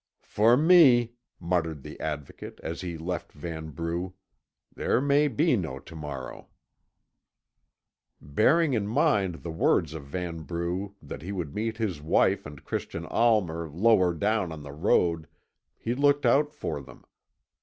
"For me," muttered the Advocate, as he left Vanbrugh, "there may be no to morrow." Bearing in mind the words of Vanbrugh that he would meet his wife and Christian Almer lower down on the road, he looked out for them.